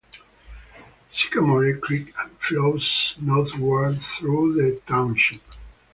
Sycamore Creek flows northward through the township.